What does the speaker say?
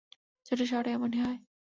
ছোট শহরে এমনই হয়।